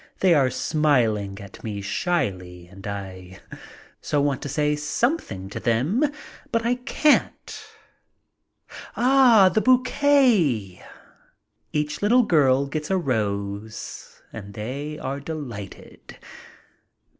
They are smiling at me shyly and I so want to say something to them. But I can't. Ah, the bouquet! Each little girl gets a rose and they are delighted.